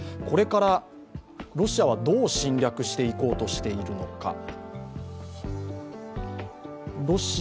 これから、ロシアはどう侵略していこうとしているのか。